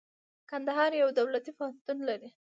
کندهار يو دولتي پوهنتون لري.